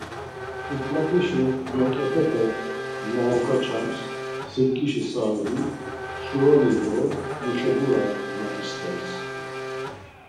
Kuklapeşi noǩepepe na okaçams sirkişi saibik şuroni do muşebura na isters.